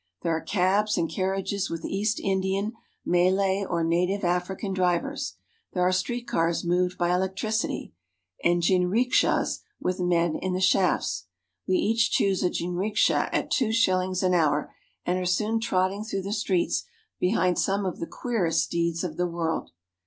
There are cabs and carriages with East Indian, Malay, or native Af rican drivers ; there are street cars moved by electricity, and jinrikshas with men in the shafts. We each choose a jm riksha at two shillings an hour, and are soon trotting through the streets behind some of the queerest steeds of the world.